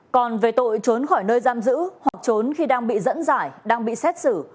còn về tội trốn khỏi nơi giam giữ hoặc trốn khi đang bị dẫn giải đang bị xét xử